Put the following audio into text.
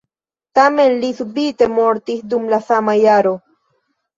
Tamen li subite mortis dum la sama jaro.